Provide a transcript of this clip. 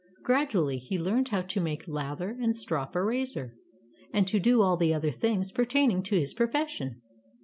Gradually he learned how to make lather and strop a razor, and to do all the other things pertaining to his profession.